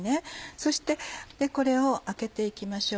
そしてこれをあけていきましょう。